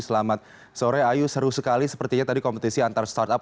selamat sore ayu seru sekali sepertinya tadi kompetisi antar startup